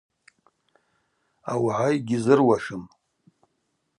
Аугӏа йгьизыруашым.